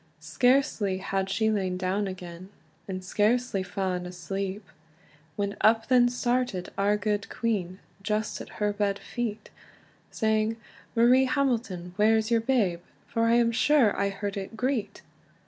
Scarcely had she lain down again, And scarcely faen asleep, When up then started our gude queen, Just at her bed feet, Saying "Marie Hamilton, where's your babe? For I am sure I heard it greet."